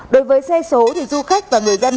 đối với xe số du khách và người dân